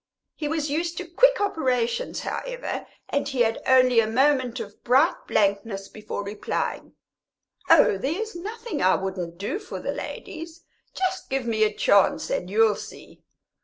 He was used to quick operations, however, and he had only a moment of bright blankness before replying: "Oh, there is nothing I wouldn't do for the ladies; just give me a chance and you'll see."